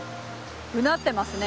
うなってますね。